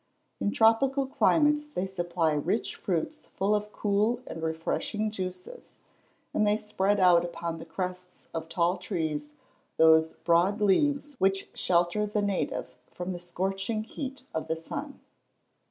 In tropical climates they supply rich fruits full of cool and refreshing juices, and they spread out upon the crests of tall trees those broad leaves which shelter the native from the scorching heat of the sun.